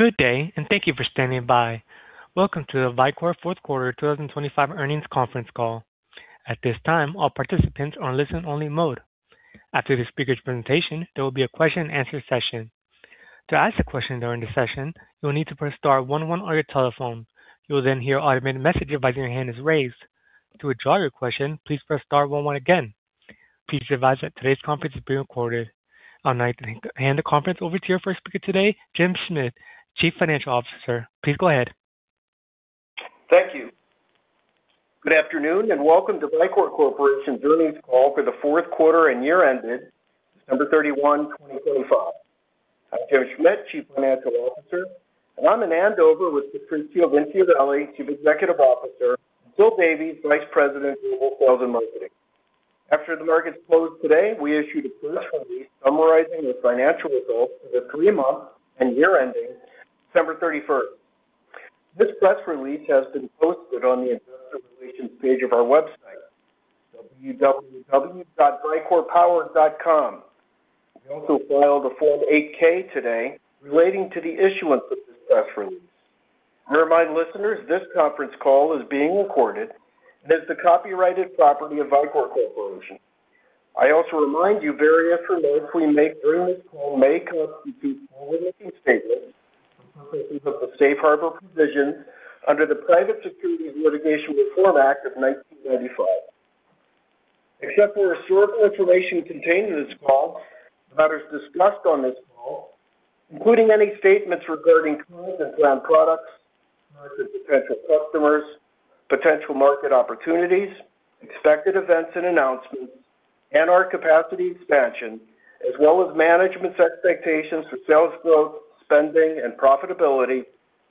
Good day, and thank you for standing by. Welcome to the Vicor fourth quarter 2025 earnings conference call. At this time, all participants are in listen-only mode. After the speaker's presentation, there will be a question-and-answer session. To ask a question during the session, you will need to press star one one on your telephone. You will then hear an automated message advising your hand is raised. To withdraw your question, please press star one one again. Please be advised that today's conference is being recorded. I'd like to hand the conference over to your first speaker today, Jim Schmidt, Chief Financial Officer. Please go ahead. Thank you. Good afternoon, and welcome to Vicor Corporation's earnings call for the fourth quarter and year ended December 31, 2025. I'm Jim Schmidt, Chief Financial Officer, and I'm in Andover with Patrizio Vinciarelli, Chief Executive Officer, and Phil Davies, Vice President of Global Sales and Marketing. After the markets closed today, we issued a press release summarizing the financial results for the three-month and year ending December 31st. This press release has been posted on the Investor Relations page of our website, www.vicorpower.com. We also filed a Form 8-K today relating to the issuance of this press release. I remind listeners, this conference call is being recorded and is the copyrighted property of Vicor Corporation. I also remind you very affirmatively that we may make forward-looking statements during this call for purposes of the Safe Harbor provision under the Private Securities Litigation Reform Act of 1995. Except for historical information contained in this call, the matters discussed on this call, including any statements regarding current and planned products, market potential customers, potential market opportunities, expected events and announcements, and our capacity expansion, as well as management's expectations for sales growth, spending, and profitability,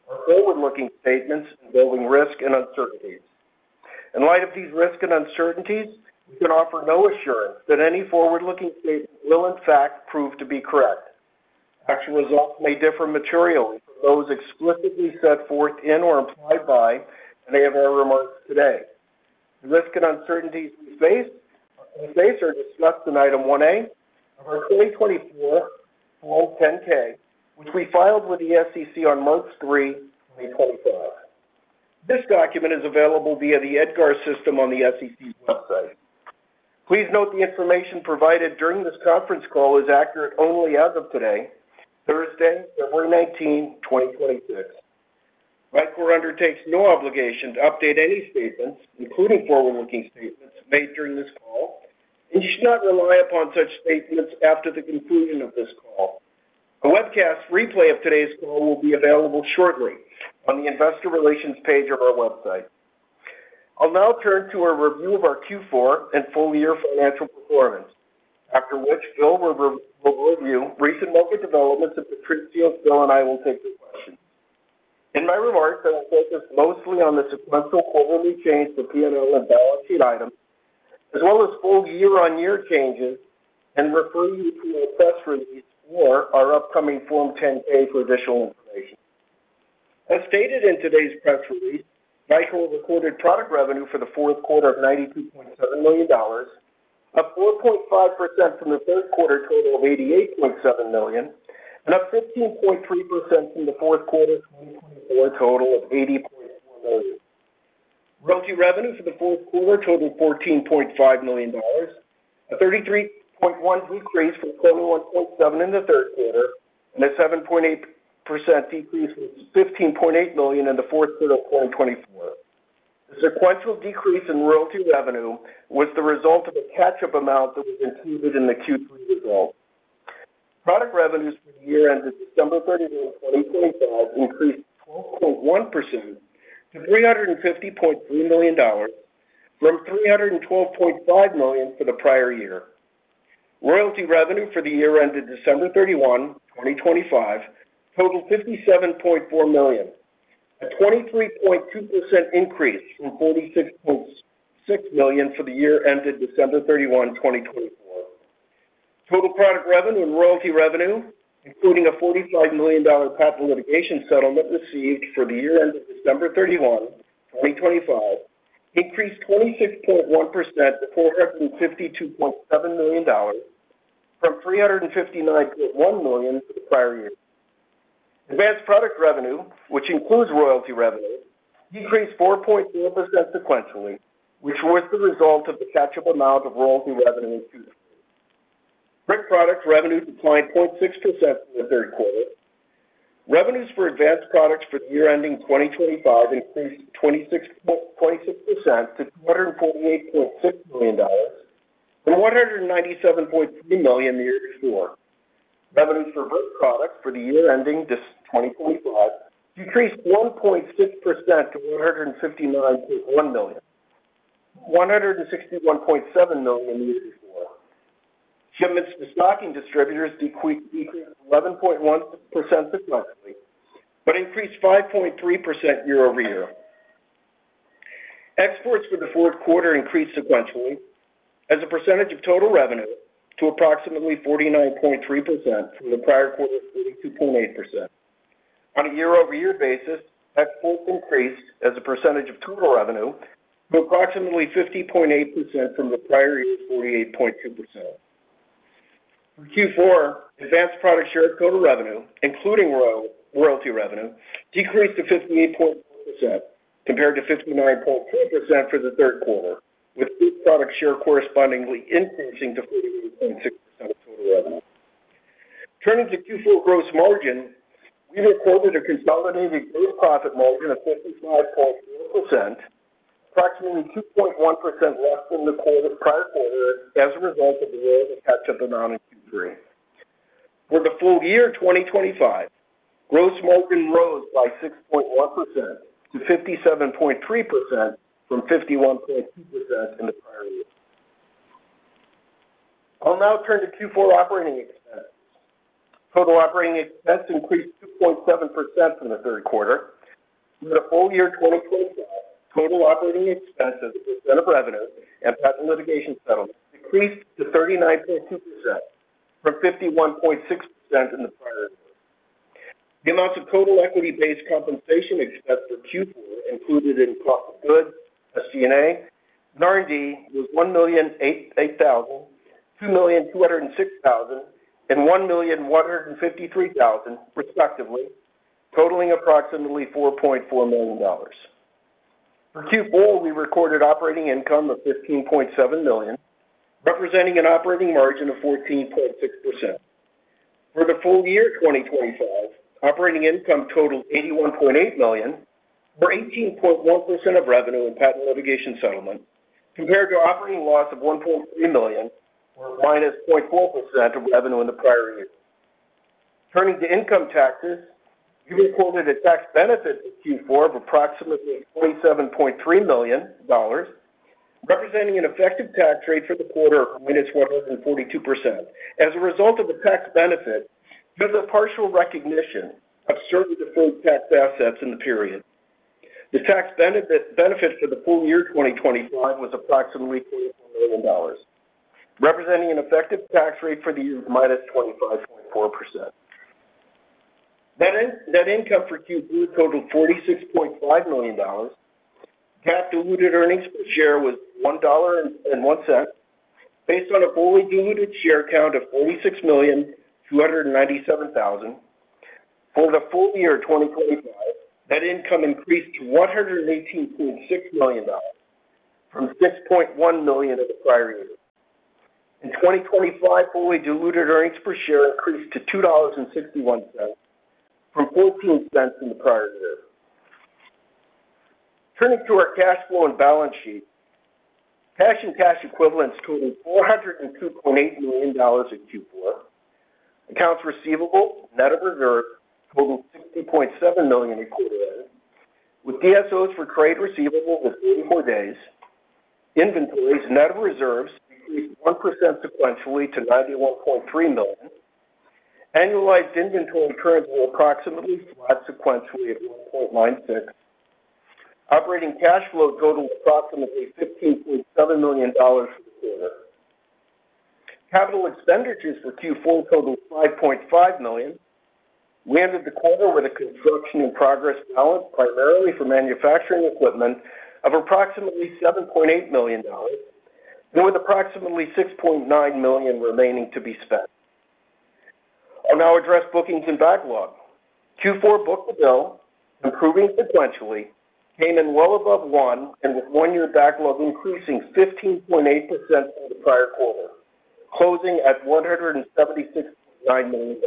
are forward-looking statements involving risk and uncertainties. In light of these risks and uncertainties, we can offer no assurance that any forward-looking statements will in fact prove to be correct. Actual results may differ materially from those explicitly set forth in or implied by any of our remarks today. The risks and uncertainties we face are discussed in Item 1A of our 2024 Form 10-K, which we filed with the SEC on March 3, 2024. This document is available via the EDGAR system on the SEC website. Please note the information provided during this conference call is accurate only as of today, Thursday, February 19, 2026. Vicor undertakes no obligation to update any statements, including forward-looking statements, made during this call, and you should not rely upon such statements after the conclusion of this call. A webcast replay of today's call will be available shortly on the Investor Relations page of our website. I'll now turn to a review of our Q4 and full-year financial performance. After which, Phil will review recent market developments with Patrizio. Phil, Patrizio, and I will take your questions. In my remarks, I will focus mostly on the sequential quarterly change to P&L and balance sheet items, as well as full year-on-year changes, and refer you to our press release or our upcoming Form 10-K for additional information. As stated in today's press release, Vicor recorded product revenue for the fourth quarter of $92.7 million, up 4.5% from the third quarter total of $88.7 million, and up 15.3% from the fourth quarter 2024 total of $80.4 million. Royalty revenue for the fourth quarter totaled $14.5 million, a 33.1% decrease from $21.7 million in the third quarter and a 7.8% decrease from $15.8 million in the fourth quarter of 2024. The sequential decrease in royalty revenue was the result of a catch-up amount that was included in the Q3 result. Product revenues for the year ended December 31, 2025, increased 12.1% to $350.3 million from $312.5 million for the prior year. Royalty revenue for the year ended December 31, 2025, totaled $57.4 million, a 23.2% increase from $46.6 million for the year ended December 31, 2024. Total product revenue and royalty revenue, including a $45 million patent litigation settlement received for the year ended December 31, 2025, increased 26.1% to $452.7 million from $359.1 million the prior year. Advanced products revenue, which includes royalty revenue, decreased 4.4% sequentially, which was the result of the catch-up amount of royalty revenue in Q3. Brick products revenues declined 0.6% from the third quarter. Revenues for advanced products for the year ending 2025 increased 26% to $248.6 million from $197.3 million the year before. Revenues for Brick products for the year ending 2025 decreased 1.6% to $159.1 million, $161.7 million the year before. Shipments to stocking distributors decreased 11.1% sequentially, but increased 5.3% year-over-year. Exports for the fourth quarter increased sequentially as a percentage of total revenue to approximately 49.3% from the prior quarter, 42.8%. On a year-over-year basis, exports increased as a percentage of total revenue to approximately 50.8% from the prior year's 48.2%. For Q4, advanced product share of total revenue, including royalty revenue, decreased to 58.1% compared to 59.2% for the third quarter, with each product share correspondingly increasing to 48.6% of total revenue. Turning to Q4 gross margin, we recorded a consolidated gross profit margin of 55.4%, approximately 2.1% less than the prior quarter as a result of the royalty catch-up amount in Q3. For the full year 2025, gross margin rose by 6.1% to 57.3% from 51.2% in the prior year. I'll now turn to Q4 operating expense. Total operating expense increased 2.7% from the third quarter. For the full year 2025, total operating expenses as a percent of revenue and patent litigation settlement increased to 39.2% from 51.6% in the prior year. The amounts of total equity-based compensation expense for Q4, included in cost of goods, SG&A, and R&D, was $1,808,000, $2,206,000, and $1,153,000, respectively, totaling approximately $4.4 million. For Q4, we recorded operating income of $15.7 million, representing an operating margin of 14.6%. For the full year 2025, operating income totaled $81.8 million, or 18.1% of revenue and patent litigation settlement, compared to operating loss of $1.3 million or -0.4% of revenue in the prior year. Turning to income taxes, we recorded a tax benefit in Q4 of approximately $27.3 million, representing an effective tax rate for the quarter of -142%. As a result of the tax benefit, there's a partial recognition of certain deferred tax assets in the period. The tax benefit for the full year 2025 was approximately $41 million, representing an effective tax rate for the year of -25.4%. Net income for Q4 totaled $46.5 million. Net diluted earnings per share was $1.01, based on a fully diluted share count of 46,297,000. For the full year 2025, net income increased to $118.6 million from $6.1 million in the prior year. In 2025, fully diluted earnings per share increased to $2.61 from $0.14 in the prior year. Turning to our cash flow and balance sheet. Cash and cash equivalents totaled $402.8 million in Q4. Accounts receivable, net of reserve, totaled $60.7 million in Q4, with DSOs for trade receivable was 84 days. Inventories, net of reserves, increased 1% sequentially to $91.3 million. Annualized inventory turns were approximately flat sequentially at 1.96x. Operating cash flow totaled approximately $15.7 million for the quarter. Capital expenditures for Q4 totaled $5.5 million. We ended the quarter with a construction-in-progress balance, primarily for manufacturing equipment, of approximately $7.8 million, with approximately $6.9 million remaining to be spent. I'll now address bookings and backlog. Q4 book-to-bill, improving sequentially, came in well above 1x, and with one-year backlog increasing 15.8% from the prior quarter, closing at $176.9 million.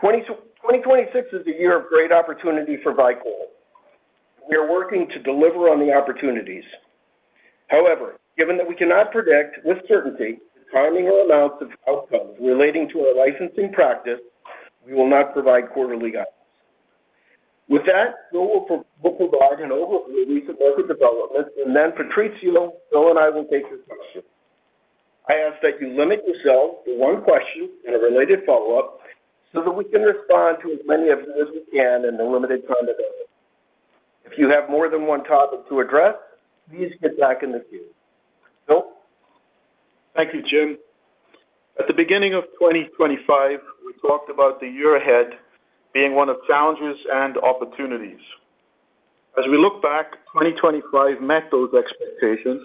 2026 is a year of great opportunity for Vicor. We are working to deliver on the opportunities. However, given that we cannot predict with certainty the timing or amounts of outcomes relating to our licensing practice, we will not provide quarterly guidance. With that, Phil will provide an overview of recent market developments, and then Patrizio, Phil, and I will take your questions. I ask that you limit yourself to one question and a related follow-up, so that we can respond to as many of you as we can in the limited time available. If you have more than one topic to address, please get back in the queue. Phil? Thank you, Jim. At the beginning of 2025, we talked about the year ahead being one of challenges and opportunities. As we look back, 2025 met those expectations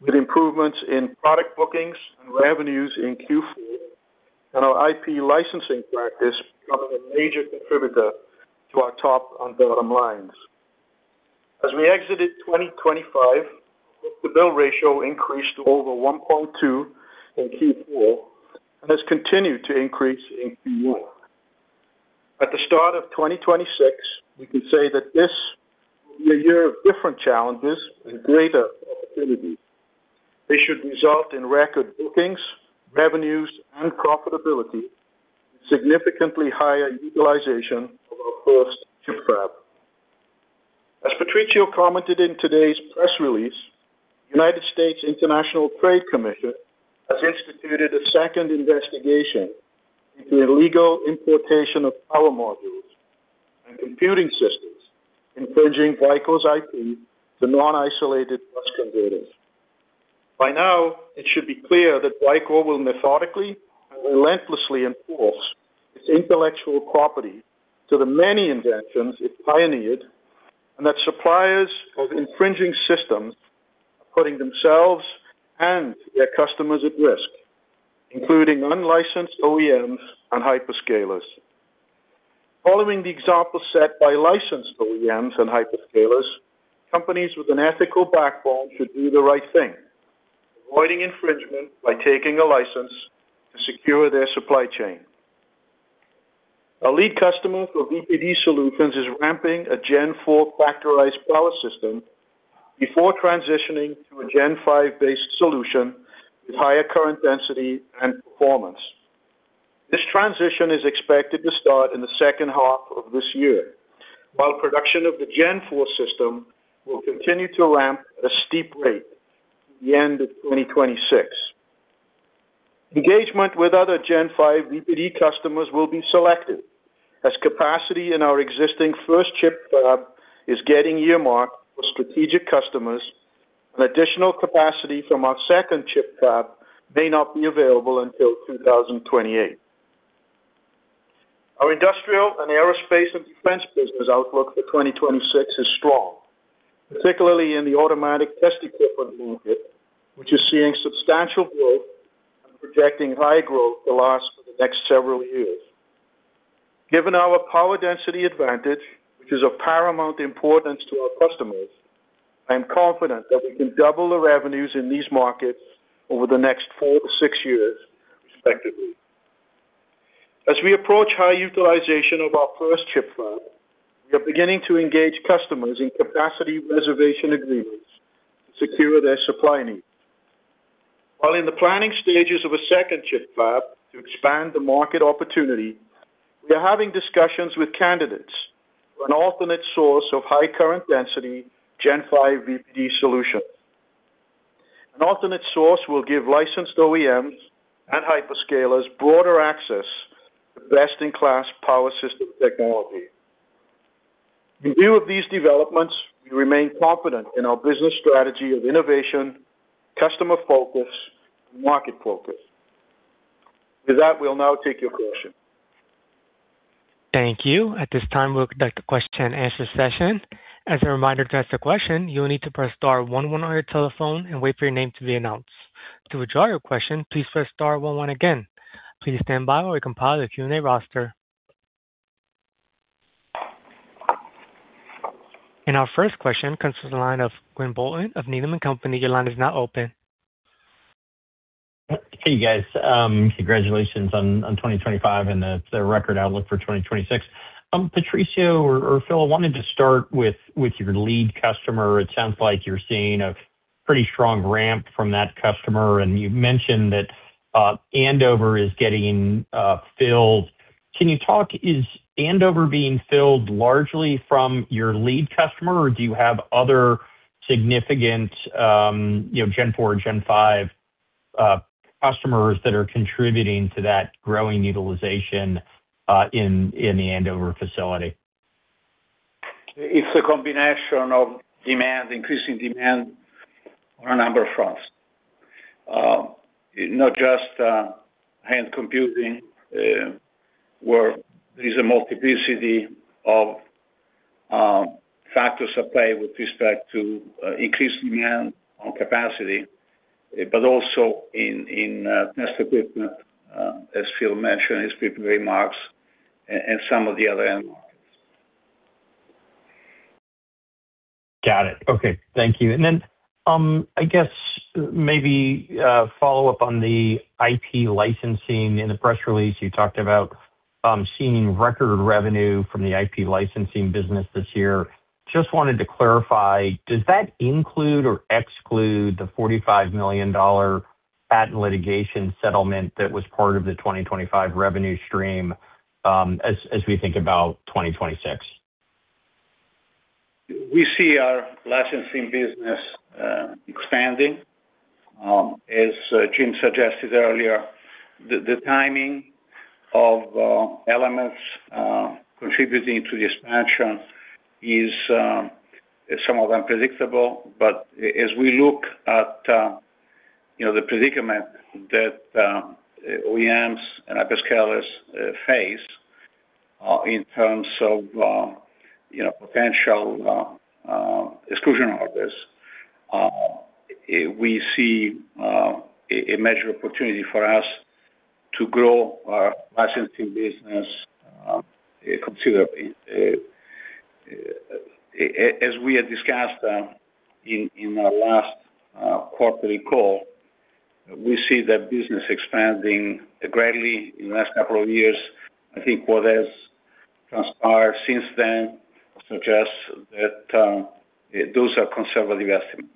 with improvements in product bookings and revenues in Q4, and our IP licensing practice becoming a major contributor to our top and bottom lines. As we exited 2025, book-to-bill ratio increased to over 1.2x in Q4 and has continued to increase in Q1. At the start of 2026, we can say that this will be a year of different challenges and greater opportunities. They should result in record bookings, revenues, and profitability, significantly higher utilization of our first ChiP fab. As Patrizio commented in today's press release, U.S. International Trade Commission has instituted a second investigation into the illegal importation of power modules and computing systems infringing Vicor's IP, the non-isolated bus converter. By now, it should be clear that Vicor will methodically and relentlessly enforce its intellectual property to the many inventions it pioneered and that suppliers of infringing systems are putting themselves and their customers at risk, including unlicensed OEMs and hyperscalers. Following the example set by licensed OEMs and hyperscalers, companies with an ethical backbone should do the right thing, avoiding infringement by taking a license to secure their supply chain. Our lead customer for VPD solutions is ramping a Gen 4 factorized power system before transitioning to a Gen 5-based solution with higher current density and performance. This transition is expected to start in the second half of this year, while production of the Gen 4 system will continue to ramp at a steep rate through the end of 2026. Engagement with other Gen 5 VPD customers will be selected. As capacity in our existing first ChiP fab is getting earmarked for strategic customers, and additional capacity from our second ChiP fab may not be available until 2028. Our industrial and aerospace and defense business outlook for 2026 is strong, particularly in the automatic test equipment market, which is seeing substantial growth and projecting high growth to last for the next several years. Given our power density advantage, which is of paramount importance to our customers, I am confident that we can double the revenues in these markets over the next four to six years, respectively. As we approach high utilization of our first ChiP fab, we are beginning to engage customers in capacity reservation agreements to secure their supply needs. While in the planning stages of a second ChiP fab to expand the market opportunity, we are having discussions with candidates for an alternate source of high current density Gen 5 VPD solutions. An alternate source will give licensed OEMs and hyperscalers broader access to best-in-class power system technology. In view of these developments, we remain confident in our business strategy of innovation, customer focus, and market focus. With that, we'll now take your questions. Thank you. At this time, we'll conduct a question and answer session. As a reminder, to ask a question, you will need to press star one one on your telephone and wait for your name to be announced. To withdraw your question, please press star one one again. Please stand by while we compile the Q&A roster. Our first question comes from the line of Quinn Bolton of Needham & Company. Your line is now open. Hey, guys, congratulations on 2025 and the record outlook for 2026. Patrizio or Phil, I wanted to start with your lead customer. It sounds like you're seeing a pretty strong ramp from that customer, and you've mentioned that Andover is getting filled. Can you talk, is Andover being filled largely from your lead customer, or do you have other significant, you know, Gen 4, Gen 5 customers that are contributing to that growing utilization in the Andover facility? It's a combination of demand, increasing demand on a number of fronts. Not just high-end computing, where there's a multiplicity of factors at play with respect to increasing demand on capacity, but also in test equipment, as Phil mentioned in his prepared remarks and some of the other end markets. Got it. Okay. Thank you. And then, I guess maybe, follow up on the IP licensing. In the press release, you talked about, seeing record revenue from the IP licensing business this year. Just wanted to clarify, does that include or exclude the $45 million patent litigation settlement that was part of the 2025 revenue stream, as we think about 2026? We see our licensing business expanding. As Jim suggested earlier, the timing of elements contributing to the expansion is, some of them, predictable. But as we look at, you know, the predicament that OEMs and hyperscalers face in terms of, you know, potential exclusion orders, we see a major opportunity for us to grow our licensing business considerably. As we had discussed, in our last quarterly call, we see that business expanding greatly in the last couple of years. I think what has transpired since then suggests that those are conservative estimates.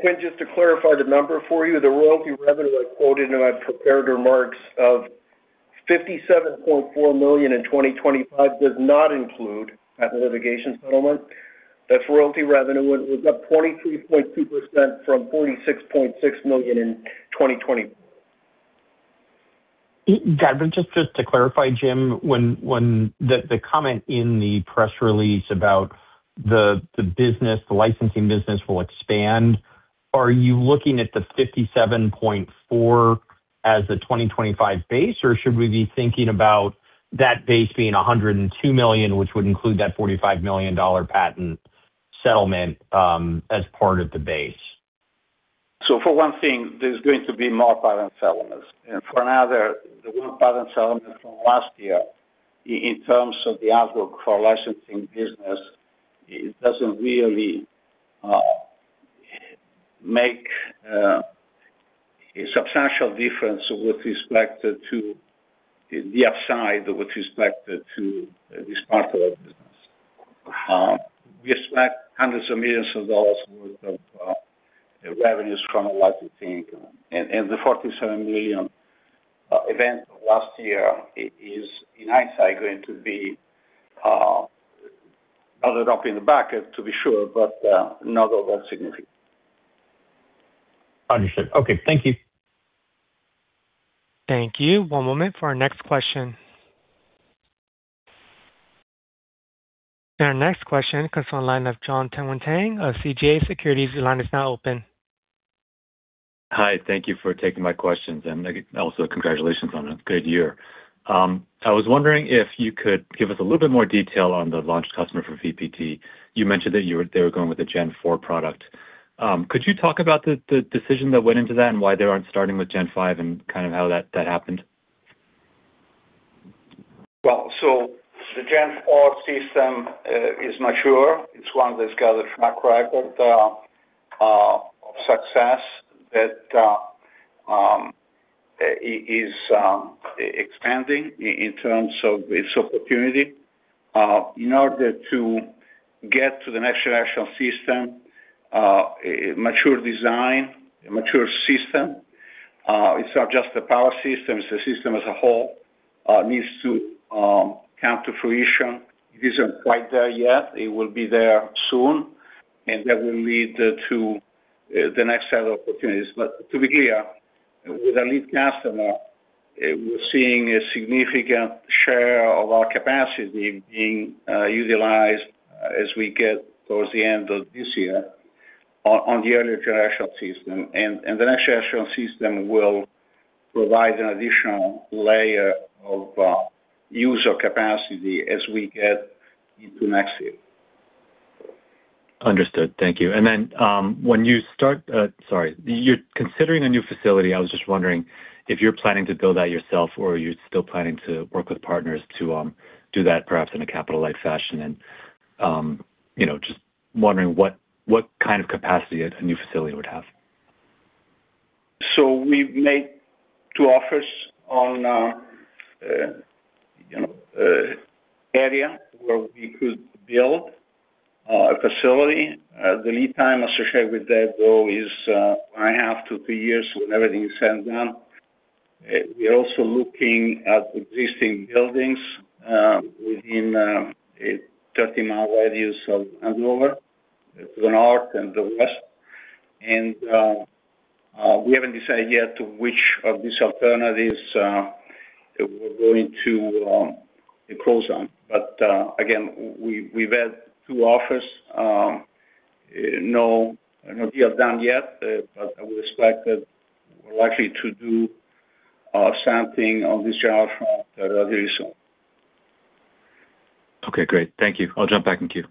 Quinn, just to clarify the number for you, the royalty revenue I quoted in my prepared remarks of $57.4 million in 2025 does not include that litigation settlement. That royalty revenue was up 43.2% from $46.6 million in 2020. Got it. Just to clarify, Jim, when the comment in the press release about the business, the licensing business will expand. Are you looking at the $57.4 million as the 2025 base, or should we be thinking about that base being $102 million, which would include that $45 million patent settlement as part of the base? So for one thing, there's going to be more patent settlements. And for another, the one patent settlement from last year, in terms of the outlook for licensing business, it doesn't really make a substantial difference with respect to the upside, with respect to this part of our business. We expect hundreds of millions of dollars worth of revenues from licensing, and the $47 million event last year is, in hindsight, going to be added up in the back, to be sure, but not overall significant. Understood. Okay. Thank you. Thank you. One moment for our next question. Our next question comes from the line of Jon Tanwanteng of CJS Securities. Your line is now open. Hi, thank you for taking my questions, and also congratulations on a good year. I was wondering if you could give us a little bit more detail on the launch customer for VPD. You mentioned that they were going with the Gen 4 product. Could you talk about the decision that went into that and why they aren't starting with Gen 5 and kind of how that happened? Well, so the Gen 4 system is mature. It's one that's got a track record of success that is expanding in terms of its opportunity. In order to get to the next generation system, a mature design, a mature system, it's not just the power system, it's the system as a whole, needs to come to fruition. It isn't quite there yet. It will be there soon, and that will lead to the next set of opportunities. But to be clear, with our lead customer, we're seeing a significant share of our capacity being utilized as we get towards the end of this year on the earlier generation system. And the next generation system will provide an additional layer of user capacity as we get into next year. Understood. Thank you. And then, when you start, sorry, you're considering a new facility. I was just wondering if you're planning to build that yourself, or are you still planning to work with partners to do that perhaps in a capital-like fashion? And, you know, just wondering what kind of capacity a new facility would have. So we've made two offers on, you know, an area where we could build a facility. The lead time associated with that, though, is one and a half to two years when everything is said and done. We are also looking at existing buildings within a 30-mi radius of Andover, to the north and the west. We haven't decided yet to which of these alternatives we're going to close on. But again, we've had two offers, no deal done yet, but I would expect that we're likely to do something on this very soon. Okay, great. Thank you. I'll jump back in queue.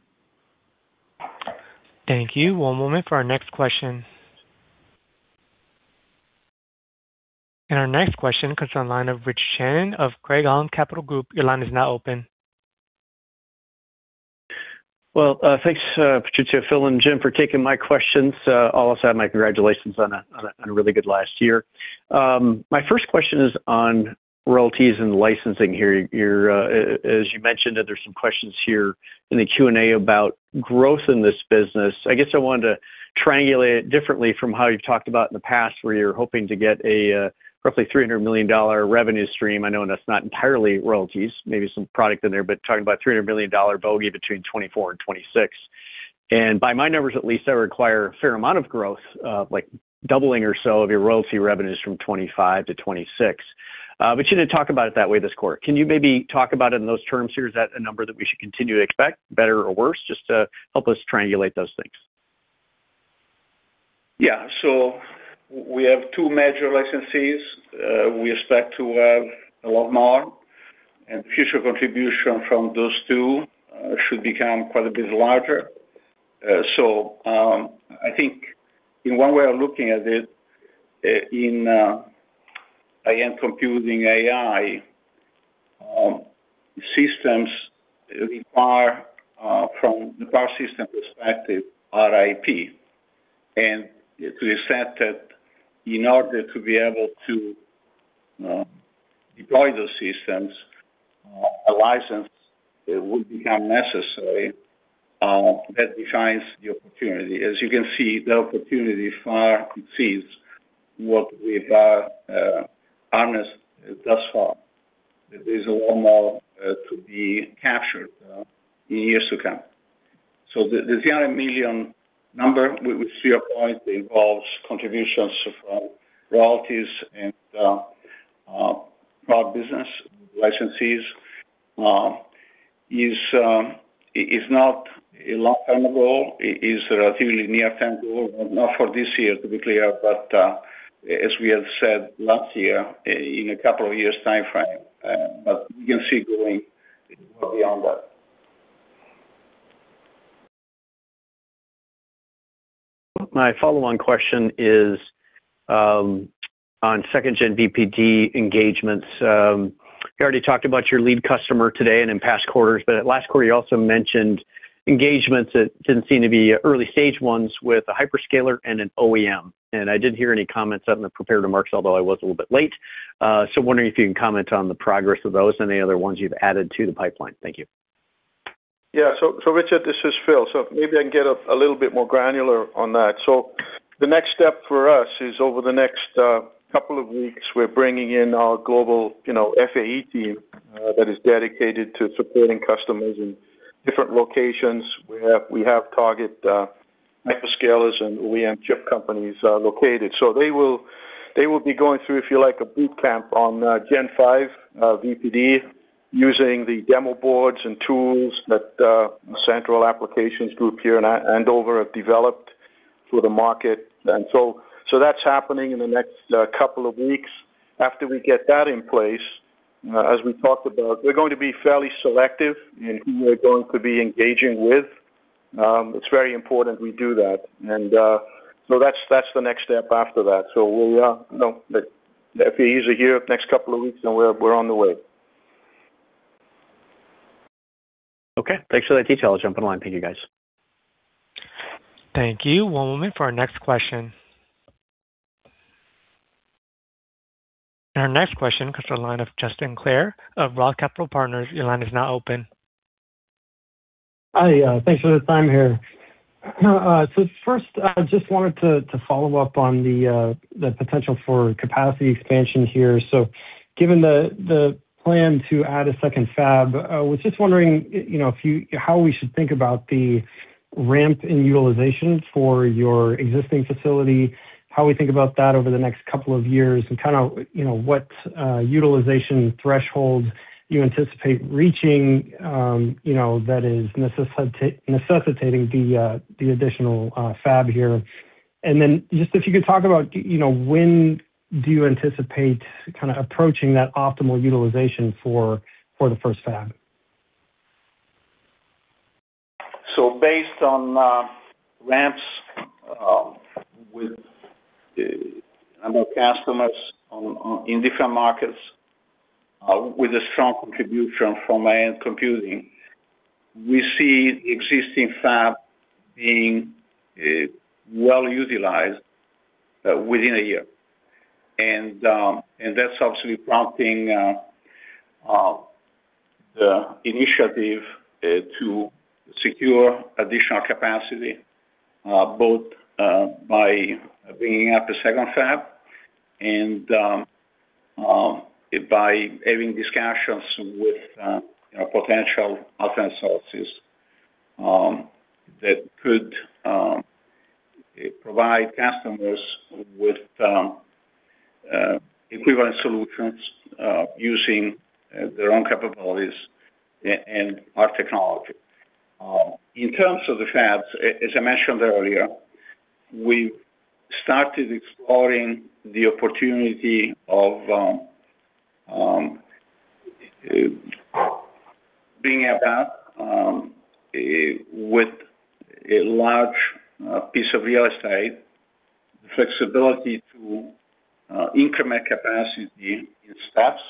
Thank you. One moment for our next question. Our next question comes from the line of Rich Shannon of Craig-Hallum Capital Group. Your line is now open. Well, thanks, Patrizio, Phil, and Jim, for taking my questions. I'll also add my congratulations on a really good last year. My first question is on royalties and licensing here. You're, as you mentioned, that there's some questions here in the Q&A about growth in this business. I guess I wanted to triangulate it differently from how you've talked about in the past, where you're hoping to get a roughly $300 million revenue stream. I know that's not entirely royalties, maybe some product in there, but talking about $300 million bogey between 2024 and 2026. And by my numbers, at least, that require a fair amount of growth, like doubling or so of your royalty revenues from 2025 to 2026. But you didn't talk about it that way this quarter. Can you maybe talk about it in those terms here? Is that a number that we should continue to expect, better or worse, just to help us triangulate those things? Yeah. So we have two major licensees. We expect to have a lot more, and future contribution from those two should become quite a bit larger. So, I think in one way of looking at it, in, again, computing AI systems require, from the power system perspective, are IP. And to the extent that in order to be able to deploy those systems, a license would become necessary, that defines the opportunity. As you can see, the opportunity far exceeds what we've harnessed thus far. There's a lot more to be captured in years to come. So the $300 million number, we see a point involves contributions from royalties and our business licensees... is not a long-term goal. It is a relatively near-term goal, not for this year, to be clear, but, as we have said last year, in a couple of years' time frame. But we can see going beyond that. My follow-on question is, on 2nd Gen VPD engagements. You already talked about your lead customer today and in past quarters, but at last quarter, you also mentioned engagements that didn't seem to be early-stage ones with a hyperscaler and an OEM. I didn't hear any comments on the prepared remarks, although I was a little bit late. So wondering if you can comment on the progress of those and any other ones you've added to the pipeline? Thank you. Yeah. So, Richard, this is Phil. So maybe I can get a little bit more granular on that. So the next step for us is over the next couple of weeks, we're bringing in our global, you know, FAE team that is dedicated to supporting customers in different locations. We have target hyperscalers and OEM chip companies located. So they will be going through, if you like, a boot camp on Gen 5 VPD, using the demo boards and tools that Central Applications Group here in Andover have developed for the market. And so that's happening in the next couple of weeks. After we get that in place, as we talked about, we're going to be fairly selective in who we're going to be engaging with. It's very important we do that. So that's the next step after that. We'll know that FAEs are here next couple of weeks, and we're on the way. Okay. Thanks for that detail. I'll jump on the line. Thank you, guys. Thank you. One moment for our next question. Our next question comes from the line of Justin Clare of ROTH Capital Partners. Your line is now open. Hi, thanks for the time here. So first, I just wanted to follow up on the potential for capacity expansion here. So given the plan to add a second fab, I was just wondering, you know, how we should think about the ramp in utilization for your existing facility, how we think about that over the next couple of years, and kind of, you know, what utilization threshold you anticipate reaching that is necessitating the additional fab here? And then just if you could talk about, you know, when do you anticipate kind of approaching that optimal utilization for the first fab? Based on ramps with our customers in different markets with a strong contribution from AI and computing, we see the existing fab being well utilized within a year. And that's obviously prompting the initiative to secure additional capacity both by bringing up a second fab and by having discussions with potential alternate sources that could provide customers with equivalent solutions using their own capabilities and our technology. In terms of the fabs, as I mentioned earlier, we started exploring the opportunity of bringing a fab with a large piece of real estate, flexibility to increment capacity in steps.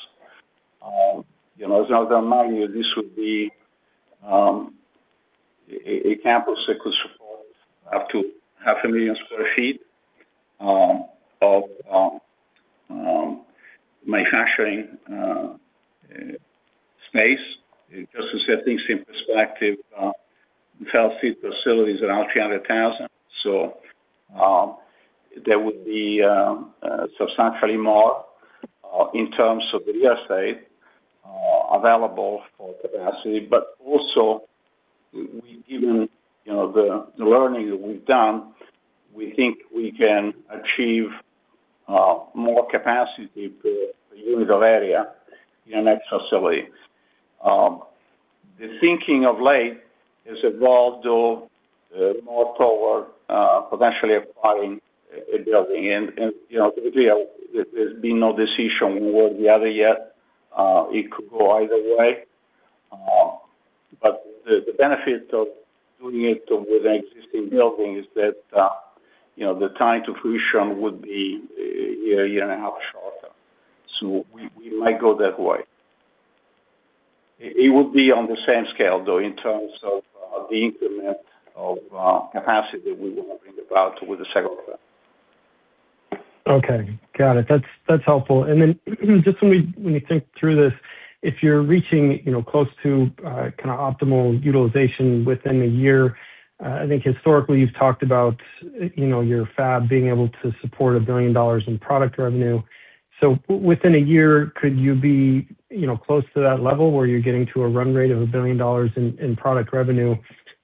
You know, as I remind you, this would be a campus that could support up to 500,000 sq ft of manufacturing space. Just to set things in perspective, facilities are around 300,000 sq ft. So, there would be substantially more in terms of the real estate available for capacity, but also, we've given, you know, the learning that we've done, we think we can achieve more capacity per unit of area in the next facility. The thinking of late has evolved, though, more toward potentially acquiring a building. And, you know, there's been no decision one or the other yet. It could go either way. But the benefit of doing it with an existing building is that, you know, the time to fruition would be a year and a half shorter. So we might go that way. It would be on the same scale, though, in terms of the increment of capacity we want to bring about with the second fab. Okay. Got it. That's helpful. And then just when we think through this, if you're reaching, you know, close to kind of optimal utilization within a year, I think historically you've talked about, you know, your fab being able to support $1 billion in product revenue. So within a year, could you be, you know, close to that level where you're getting to a run rate of $1 billion in product revenue?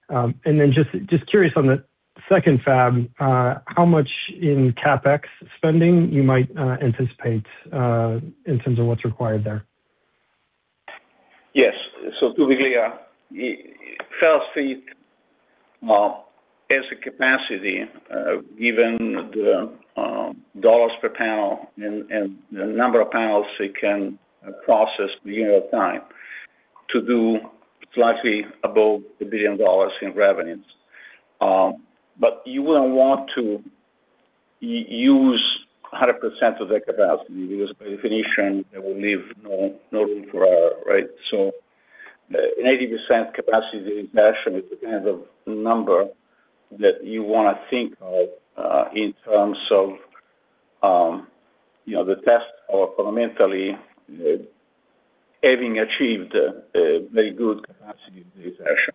And then just curious on the second fab, how much in CapEx spending you might anticipate in terms of what's required there? Yes. So to be clear, the first ChiP fab has a capacity given the dollars per panel and the number of panels it can process unit of time to do slightly above $1 billion in revenues. But you wouldn't want to use 100% of that capacity because by definition there will leave no no room for error, right? So an 80% capacity utilization is the kind of number that you want to think of in terms of you know the test or fundamentally having achieved a very good capacity utilization.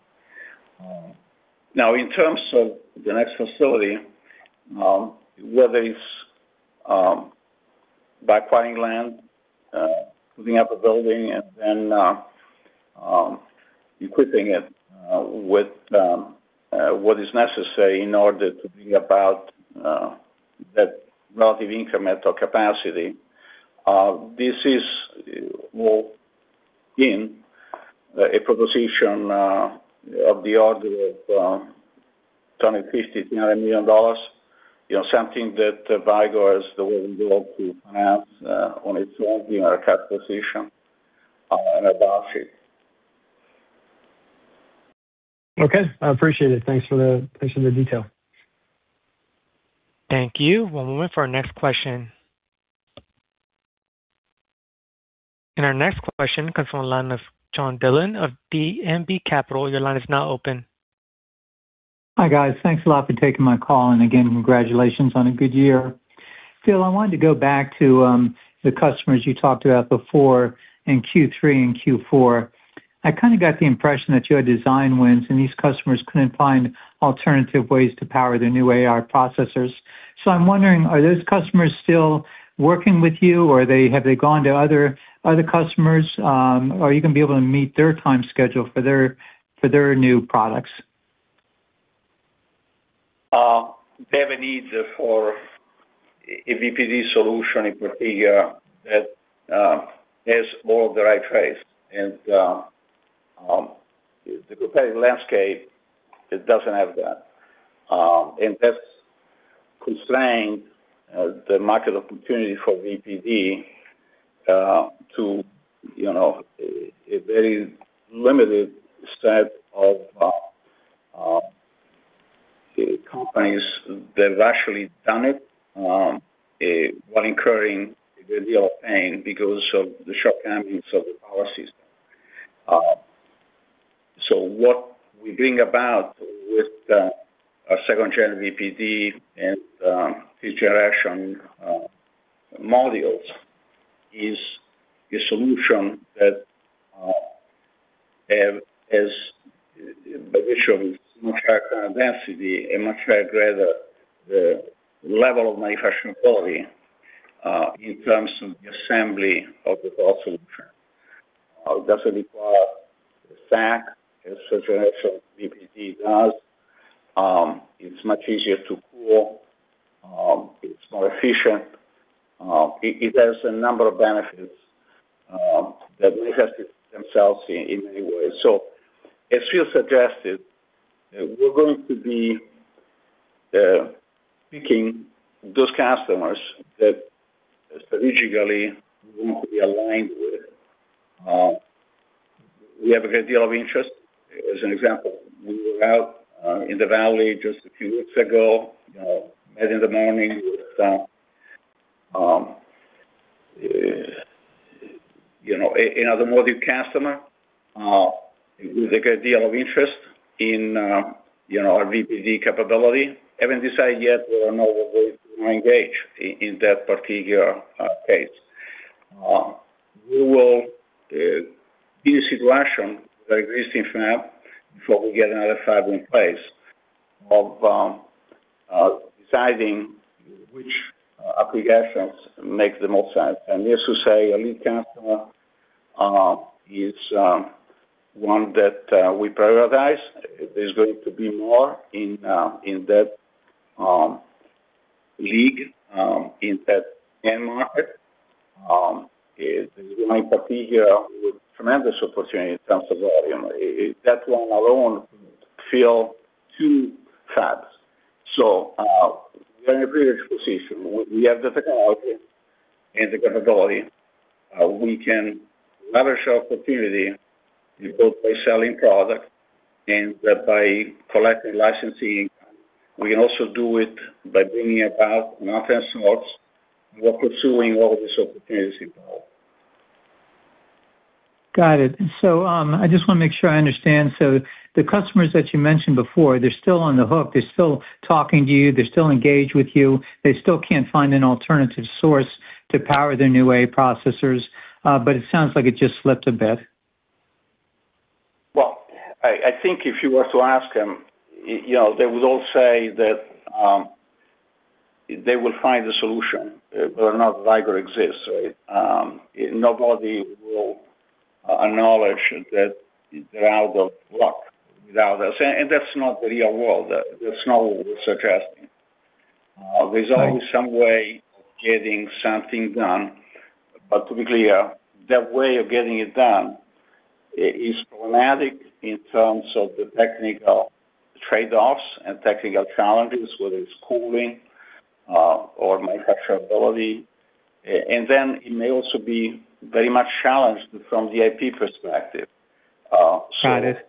Now, in terms of the next facility, whether it's buying land, putting up a building and then equipping it with what is necessary in order to build out that relative incremental capacity, this is, well, a proposition of the order of $20 million, $50 million, $90 million, you know, something that Vicor has the will to enhance on its own, you know, capitalization and a balance sheet. Okay, I appreciate it. Thanks for the detail. Thank you. We'll move on for our next question. Our next question comes from the line of John Dillon of D&B Capital. Your line is now open. Hi, guys. Thanks a lot for taking my call, and again, congratulations on a good year. Phil, I wanted to go back to the customers you talked about before in Q3 and Q4. I kind of got the impression that you had design wins, and these customers couldn't find alternative ways to power their new AR processors. So I'm wondering, are those customers still working with you, or they- have they gone to other, other customers? Are you gonna be able to meet their time schedule for their, for their new products? They have a need for a VPD solution in particular that has all the right trays. And the competitive landscape, it doesn't have that. And that's constrained the market opportunity for VPD to, you know, a very limited set of companies that have actually done it while incurring a great deal of pain because of the shortcomings of the power system. So what we bring about with the 2nd Gen VPD and 3rd Generation modules is a solution that has in addition much higher current density and much higher greater level of manufacturing quality in terms of the assembly of the whole solution. It doesn't require SAC, as such an actual VPD does. It's much easier to cool. It's more efficient. It has a number of benefits that they have to themselves in many ways. So as Phil suggested, we're going to be picking those customers that strategically we want to be aligned with. We have a great deal of interest. As an example, we were out in the valley just a few weeks ago, you know, met in the morning with, you know, another motive customer with a great deal of interest in, you know, our VPD capability. Haven't decided yet whether or not we're going to engage in that particular case. We will be in a situation, very interesting for now, before we get another fab in place, of deciding which applications make the most sense. And needless to say, a lead customer is one that we prioritize. There's going to be more in that end market. It might be here with tremendous opportunity in terms of volume. That one alone fill two fabs. So, we're in a privileged position. We have the technology and the capability. We can leverage our opportunity both by selling product and by collecting licensing income. We can also do it by bringing about an alternate source. We're pursuing all of these opportunities involved. Got it. So, I just want to make sure I understand. The customers that you mentioned before, they're still on the hook, they're still talking to you, they're still engaged with you, they still can't find an alternative source to power their new AI processors, but it sounds like it just slipped a bit. Well, I think if you were to ask them, you know, they would all say that they will find a solution, whether or not Vicor exists, right? Nobody will acknowledge that they're out of luck without us. And that's not the real world. That's not what we're suggesting. There's always some way of getting something done, but typically, that way of getting it done is problematic in terms of the technical trade-offs and technical challenges, whether it's cooling or manufacturability. And then it may also be very much challenged from the IP perspective, so- Got it.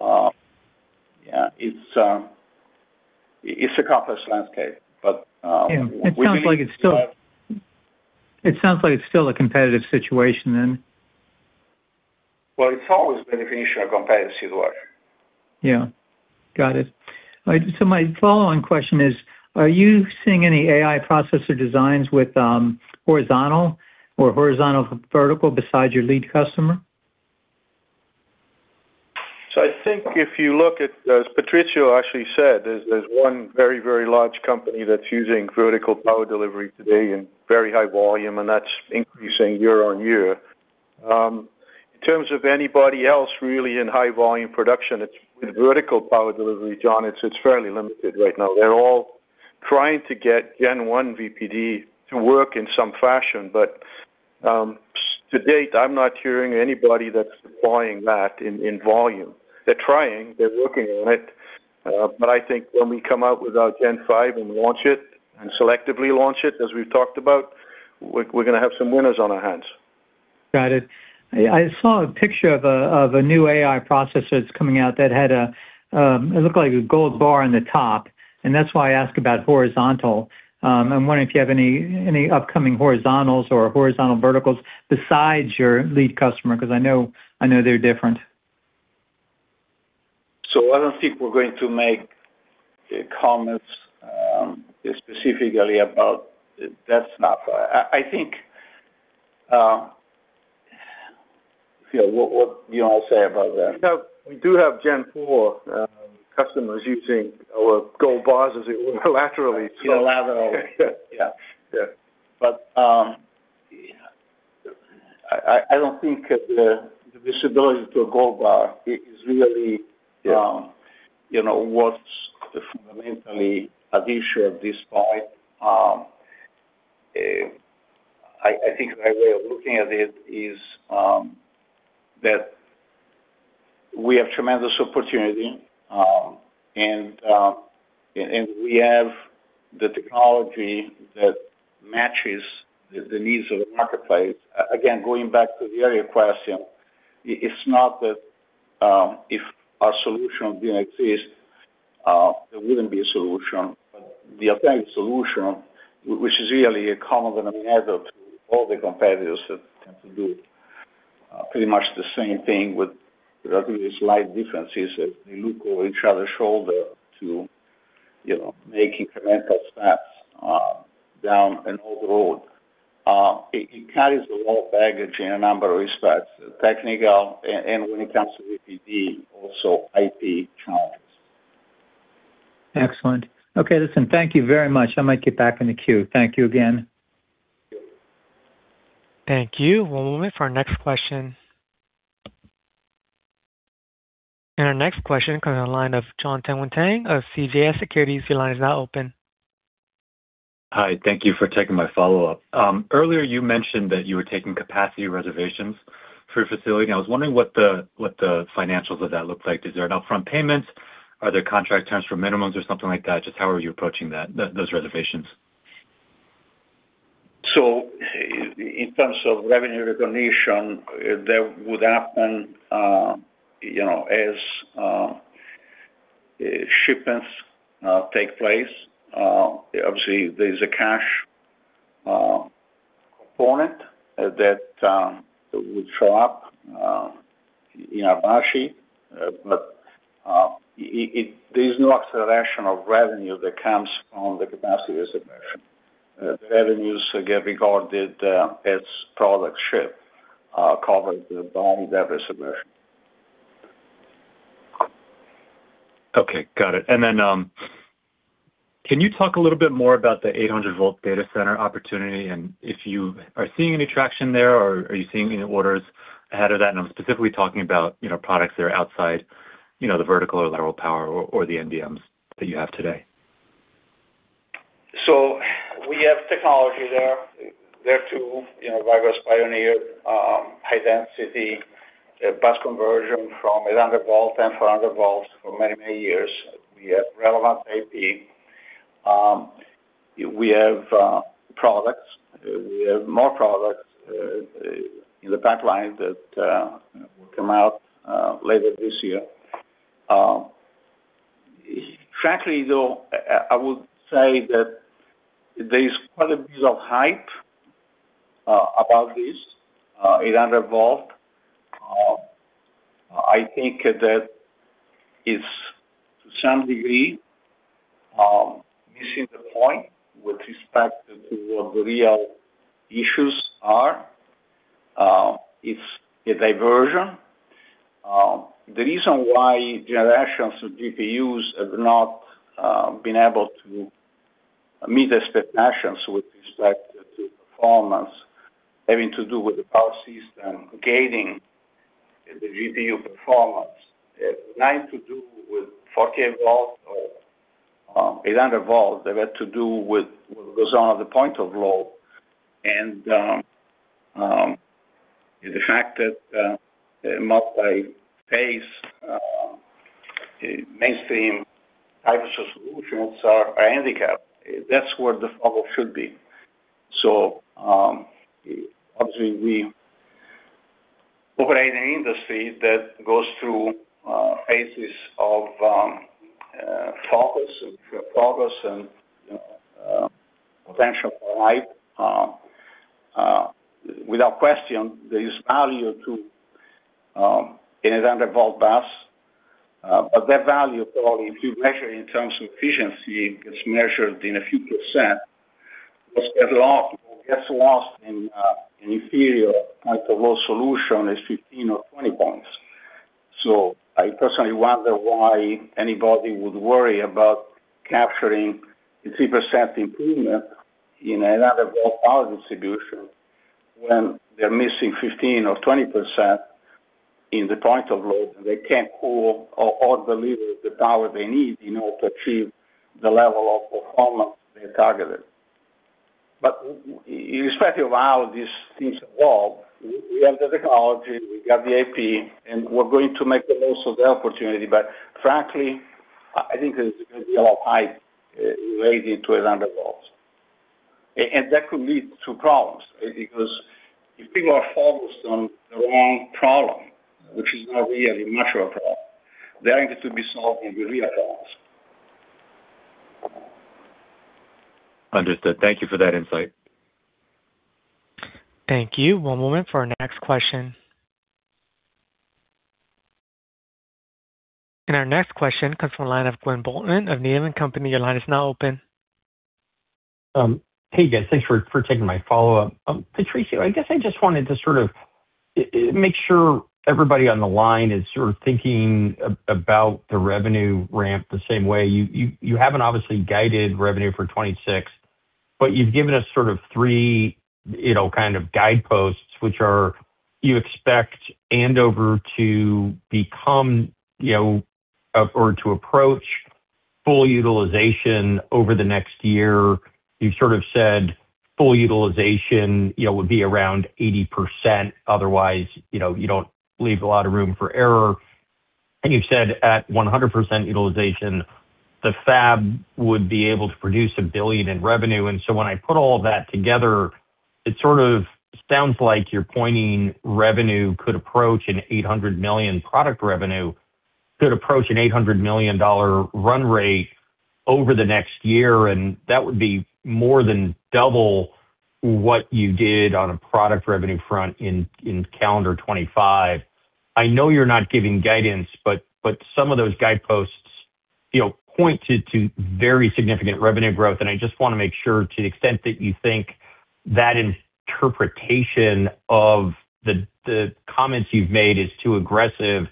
Yeah, it's a complex landscape, but we believe that- It sounds like it's still a competitive situation then. Well, it's always by definition, a competitive situation. Yeah. Got it. All right, so my follow-on question is, are you seeing any AI processor designs with horizontal or horizontal-vertical besides your lead customer? So I think if you look at, as Patrizio actually said, there's one very, very large company that's using Vertical Power Delivery today in very high volume, and that's increasing year-on-year. In terms of anybody else really in high volume production with Vertical Power Delivery, John, it's fairly limited right now. They're all trying to get Gen 1 VPD to work in some fashion, but to date, I'm not hearing anybody that's buying that in volume. They're trying, they're working on it, but I think when we come out with our Gen 5 and launch it, and selectively launch it, as we've talked about, we're gonna have some winners on our hands. Got it. I saw a picture of a new AI processor that's coming out that had it looked like a gold bar on the top, and that's why I asked about horizontal. I'm wondering if you have any upcoming horizontals or horizontal verticals besides your lead customer, 'cause I know they're different. So I don't think we're going to make comments specifically about that stuff. I think you know what do you all say about that? We have, we do have Gen 4 customers using our gold bars as it were, laterally. Laterally. Yeah. Yeah. But, I don't think that the visibility to a gold bar is really- Yeah... you know, what's fundamentally at issue at this point. I think the right way of looking at it is that we have tremendous opportunity, and we have the technology that matches the needs of the marketplace. Again, going back to the earlier question, it's not that if our solution didn't exist, there wouldn't be a solution. The alternative solution, which is really a common denominator to all the competitors that tend to do pretty much the same thing with slight differences, that they look over each other's shoulder to, you know, make incremental steps down an old road. It carries a lot of baggage in a number of respects, technical and when it comes to VPD, also IP challenges. Excellent. Okay, listen, thank you very much. I might get back in the queue. Thank you again. Thank you. One moment for our next question. Our next question comes on the line of Jon Tanwanteng of CJS Securities. Your line is now open. Hi, thank you for taking my follow-up. Earlier you mentioned that you were taking capacity reservations for your facility, and I was wondering what the financials of that look like. Is there an upfront payments? Are there contract terms for minimums or something like that? Just how are you approaching that, those reservations? So in terms of revenue recognition, that would happen, you know, as shipments take place. Obviously, there's a cash component that would show up in our margin. But there's no acceleration of revenue that comes from the capacity reservation. The revenues get recorded as product ship covered the volume delivery reservation. Okay, got it. And then, can you talk a little bit more about the 800-V data center opportunity, and if you are seeing any traction there, or are you seeing any orders ahead of that? And I'm specifically talking about, you know, products that are outside, you know, the vertical or lateral power or, or the NBMs that you have today. So we have technology there. There to, you know, Vicor's pioneer, high density, bus conversion from 800 V, 1000 V for many, many years. We have relevant IP. We have, products, we have more products, in the pipeline that, will come out, later this year. Frankly, though, I, I would say that there is quite a bit of hype, about this, 800 V. I think that it's to some degree, missing the point with respect to what the real issues are. It's a diversion.... The reason why generations of GPUs have not, been able to meet expectations with respect to performance, having to do with the power supplies and gaining the GPU performance, it had nothing to do with 40 V or, 800 V. They had to do with what goes on at the point of load, and the fact that multi-phase mainstream types of solutions are handicapped. That's where the problem should be. Obviously, we operate in an industry that goes through phases of focus and progress and potential for life. Without question, there is value to in 800-V bus, but that value, if you measure in terms of efficiency, it's measured in a few percent, but gets lost in inferior point of load solution is 15 or 20 points. So I personally wonder why anybody would worry about capturing a 3% improvement in 800-V power distribution when they're missing 15% or 20% in the point of load, and they can't pull or deliver the power they need in order to achieve the level of performance they targeted. But irrespective of how these things evolve, we have the technology, we have the IP, and we're going to make the most of the opportunity. But frankly, I think there's going to be a lot of hype related to 800 V. And that could lead to problems, because if people are focused on the wrong problem, which is not really a mature problem, they need to be solved in the real problems. Understood. Thank you for that insight. Thank you. One moment for our next question. Our next question comes from the line of Quinn Bolton of Needham & Company. Your line is now open. Hey, guys, thanks for taking my follow-up. Patrizio, I guess I just wanted to sort of make sure everybody on the line is sort of thinking about the revenue ramp the same way. You haven't obviously guided revenue for 2026, but you've given us sort of three, you know, kind of guideposts, which are: you expect Andover to become, you know, or to approach full utilization over the next year. You've sort of said full utilization, you know, would be around 80%, otherwise, you know, you don't leave a lot of room for error. And you've said at 100% utilization, the fab would be able to produce $1 billion in revenue. And so when I put all that together, it sort of sounds like you're pointing revenue could approach an $800 million product revenue, could approach an $800 million dollar run rate over the next year, and that would be more than double what you did on a product revenue front in, in calendar 2025. I know you're not giving guidance, but, but some of those guideposts, you know, pointed to very significant revenue growth. And I just want to make sure to the extent that you think that interpretation of the, the comments you've made is too aggressive.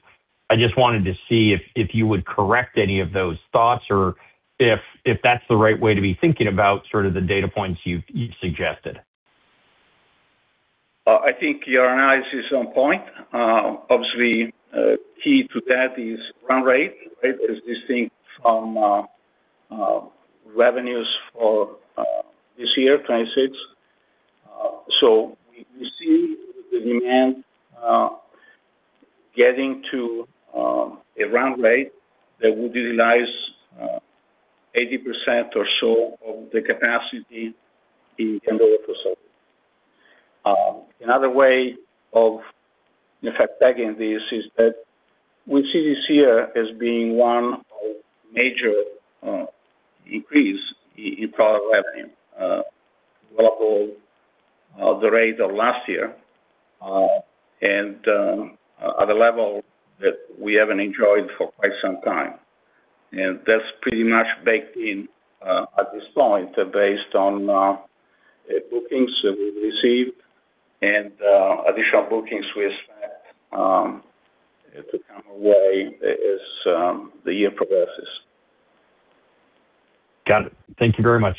I just wanted to see if, if you would correct any of those thoughts or if, if that's the right way to be thinking about sort of the data points you've, you've suggested. I think your analysis is on point. Obviously, key to that is run rate, right? Is this thing from revenues for this year, 2026. So we see the demand getting to a run rate that would utilize 80% or so of the capacity in the quarter. Another way of, in fact, tagging this is that we see this year as being one of major increase in product revenue double the rate of last year and at a level that we haven't enjoyed for quite some time. And that's pretty much baked in at this point, based on bookings that we've received and additional bookings we expect to come our way as the year progresses. Got it. Thank you very much.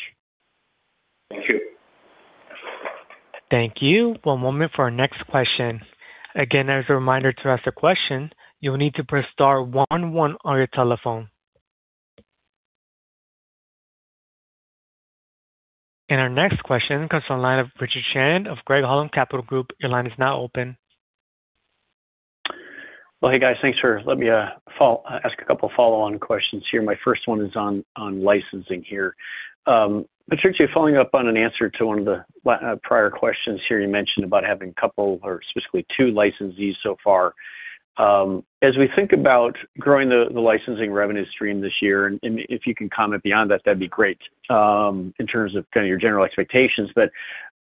Thank you. Thank you. One moment for our next question. Again, as a reminder, to ask a question, you'll need to press star one one on your telephone. Our next question comes from the line of Richard Shannon of Craig-Hallum Capital Group. Your line is now open. Well, hey, guys, thanks for letting me ask a couple of follow-on questions here. My first one is on licensing here. Patrizio, following up on an answer to one of the prior questions here, you mentioned about having a couple or specifically two licensees so far. As we think about growing the licensing revenue stream this year, and if you can comment beyond that, that'd be great, in terms of kind of your general expectations. But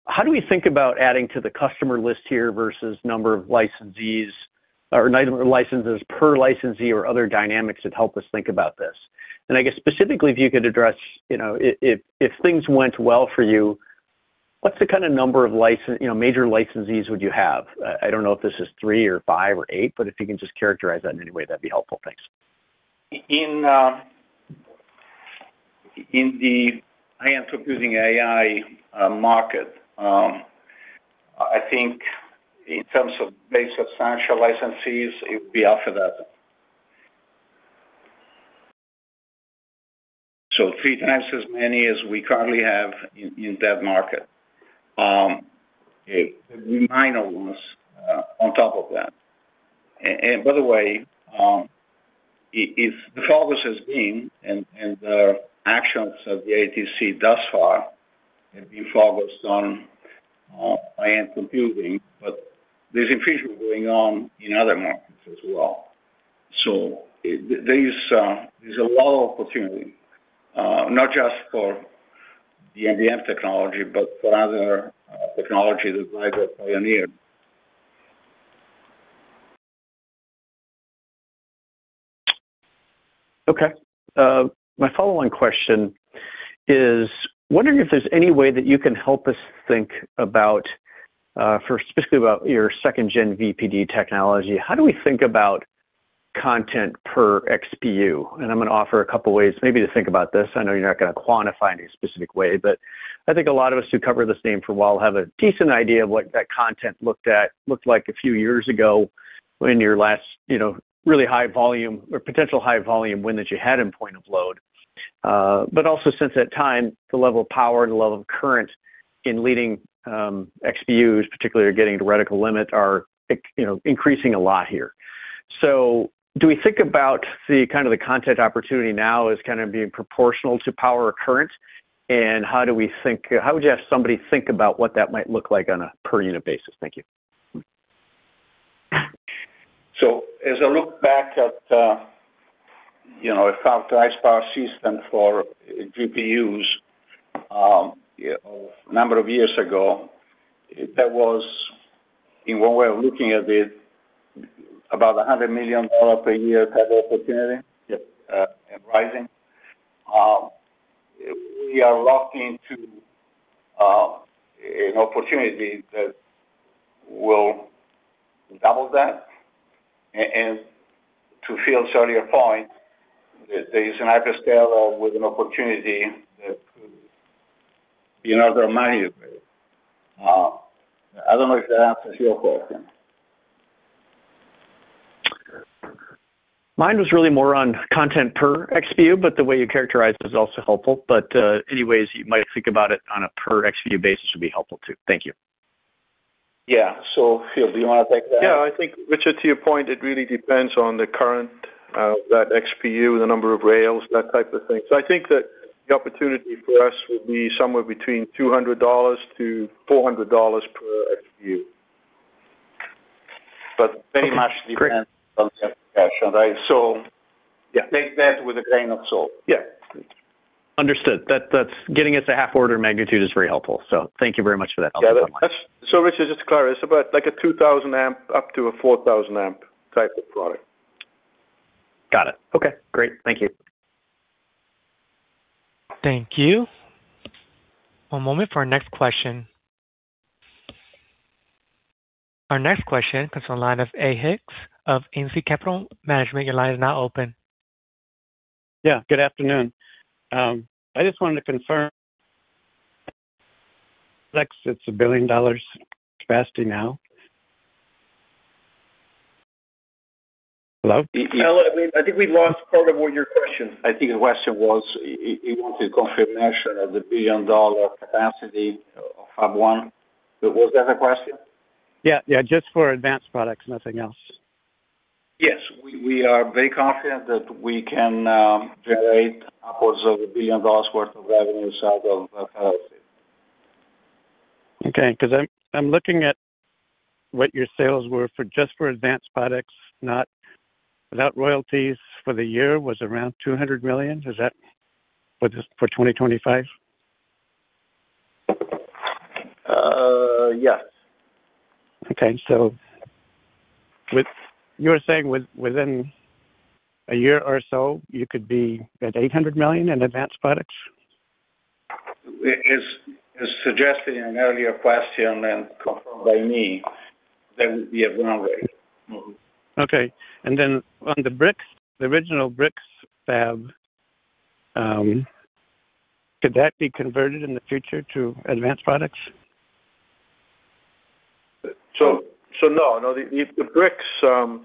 how do we think about adding to the customer list here versus number of licensees or licenses per licensee or other dynamics that help us think about this? And I guess specifically, if you could address, you know, if things went well for you... What's the kind of number of licenses, you know, major licensees would you have? I don't know if this is three or five or eight, but if you can just characterize that in any way, that'd be helpful. Thanks. In the high-end computing AI market, I think in terms of base substantial licensees, it would be after that. So three times as many as we currently have in that market. It could be nine of us on top of that. And by the way, if the focus has been and the actions of the ITC thus far have been focused on high-end computing, but there's increase going on in other markets as well. So there is, there's a lot of opportunity not just for the NBM technology, but for other technologies that we've pioneered. Okay. My follow-on question is, wondering if there's any way that you can help us think about, for specifically about your 2nd Gen VPD technology. How do we think about content per XPU? And I'm gonna offer a couple of ways maybe to think about this. I know you're not gonna quantify any specific way, but I think a lot of us who cover this name for a while have a decent idea of what that content looked like a few years ago when your last, you know, really high volume or potential high volume win that you had in point of load. But also since that time, the level of power and the level of current in leading XPUs, particularly getting to reticle limit, are you know, increasing a lot here. So do we think about the kind of content opportunity now as kind of being proportional to power or current? And how would you have somebody think about what that might look like on a per unit basis? Thank you. So as I look back at, you know, a factorized power system for GPUs, a number of years ago, that was in one way of looking at it, about $100 million per year type of opportunity, and rising. We are locked into an opportunity that will double that. And to Phil, your point, there is a hyperscaler with an opportunity that could be another $100 million. I don't know if that answers your question. Mine was really more on content per XPU, but the way you characterized it is also helpful. But, anyways you might think about it on a per XPU basis would be helpful, too. Thank you. Yeah. So, Phil, do you want to take that? Yeah, I think, Richard, to your point, it really depends on the current, that XPU, the number of rails, that type of thing. So I think that the opportunity for us would be somewhere between $200-$400 per XPU. But very much depends on the application, right? So- Yeah. Take that with a grain of salt. Yeah. Understood. That, that's getting us a half order of magnitude, is very helpful, so thank you very much for that. Yeah. So Richard, just to clarify, it's about like a 2000-A up to a 4000-A type of product. Got it. Okay, great. Thank you. Thank you. One moment for our next question. Our next question comes from the line of A. Hicks of Insit Capital Management. Your line is now open. Yeah, good afternoon. I just wanted to confirm, Lex, it's $1 billion capacity now. Hello? I think we lost part of all your question. I think the question was he wanted confirmation of the billion-dollar capacity of Fab 1. Was that the question? Yeah, yeah, just for advanced products, nothing else. Yes, we are very confident that we can generate upwards of $1 billion worth of revenue inside of capacity. Okay, because I'm looking at what your sales were for just for advanced products, not without royalties for the year, was around $200 million. Is that for this, for 2025? Uh, yes. Okay, so you're saying within a year or so, you could be at $800 million in advanced products? It is, as suggested in an earlier question and confirmed by me, that would be a run rate. Okay, and then on the bricks, the original bricks fab, could that be converted in the future to advanced products? So, no, the bricks are,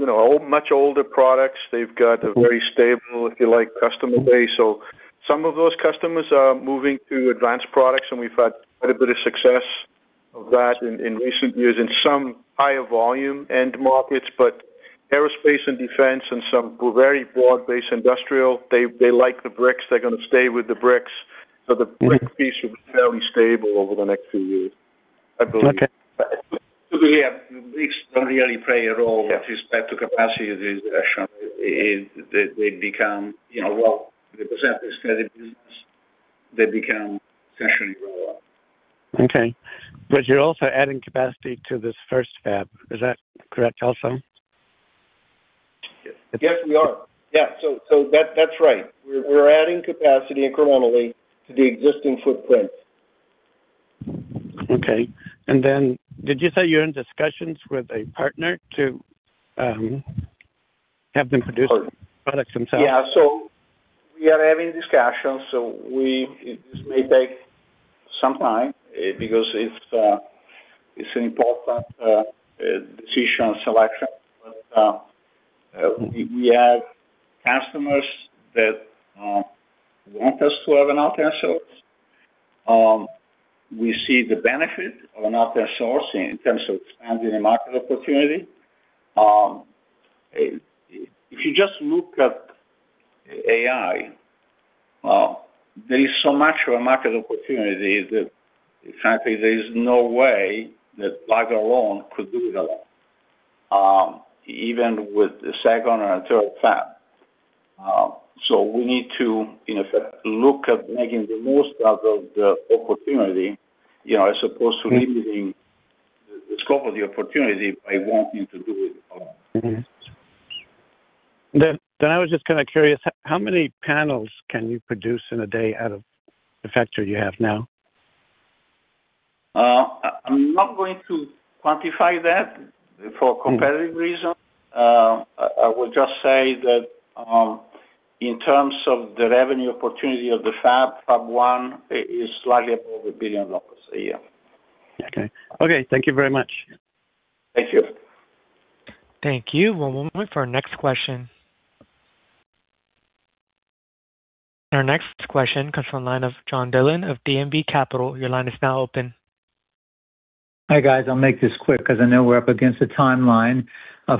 you know, much older products. They've got a very stable, if you like, customer base. So some of those customers are moving to advanced products, and we've had quite a bit of success of that in recent years in some higher volume end markets. But Aerospace and Defense and some very broad-based industrial, they like the bricks. They're gonna stay with the bricks. So the brick piece will be fairly stable over the next few years, I believe. Okay. The bricks don't really play a role with respect to capacity reduction. They become, you know, well, they present this steady business, they become essentially roll out. Okay. But you're also adding capacity to this first fab, is that correct also?... Yes, we are. Yeah, so that's right. We're adding capacity incrementally to the existing footprint. Okay. And then did you say you're in discussions with a partner to have them produce products themselves? Yeah. So we are having discussions, so we, it may take some time, because it's, it's an important decision selection. But, we, we have customers that, want us to have an outsource. We see the benefit of an outsourcing in terms of expanding the market opportunity. If you just look at AI, there is so much of a market opportunity that frankly, there is no way that Vicor alone could do it alone, even with the second or third fab. So we need to, in effect, look at making the most out of the opportunity, you know, as opposed to limiting the scope of the opportunity by wanting to do it alone. Mm-hmm. Then I was just kind of curious, how many panels can you produce in a day out of the factory you have now? I'm not going to quantify that for competitive reasons. I will just say that, in terms of the revenue opportunity of the fab, Fab 1 is slightly above $1 billion a year. Okay. Okay, thank you very much. Thank you. Thank you. One moment for our next question. Our next question comes from the line of John Dillon of DMB Capital. Your line is now open. Hi, guys. I'll make this quick because I know we're up against the timeline.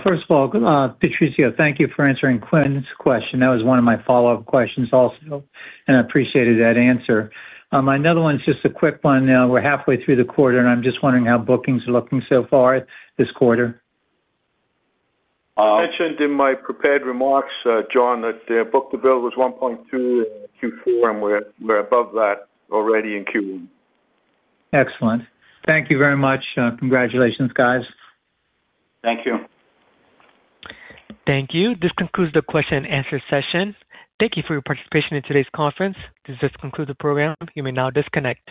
First of all, Patrizio, thank you for answering Quinn's question. That was one of my follow-up questions also, and I appreciated that answer. Another one is just a quick one. Now, we're halfway through the quarter, and I'm just wondering how bookings are looking so far this quarter. I mentioned in my prepared remarks, John, that the book-to-bill was 1.2x in Q3, and we're, we're above that already in Q1. Excellent. Thank you very much. Congratulations, guys. Thank you. Thank you. This concludes the question and answer session. Thank you for your participation in today's conference. This does conclude the program. You may now disconnect.